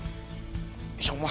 いやお前。